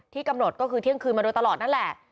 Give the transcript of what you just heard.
กำหนดก็คือเที่ยงคืนมาโดยตลอดนั่นแหละ